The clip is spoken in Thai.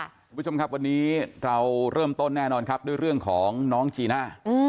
คุณผู้ชมครับวันนี้เราเริ่มต้นแน่นอนครับด้วยเรื่องของน้องจีน่า